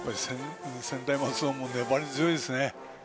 専大松戸も粘り強いですね。